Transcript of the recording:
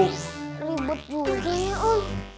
ribet juga ya om